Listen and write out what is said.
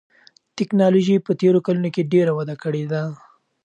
تکنالوژي په تېرو کلونو کې ډېره وده کړې ده.